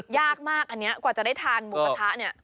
ยากมากอันนี้กว่าจะได้ทานหมูกระทะเนี่ย